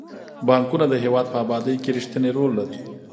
بانکونه د هیواد په ابادۍ کې رښتینی رول لري.